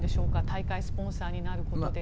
大会スポンサーになることで。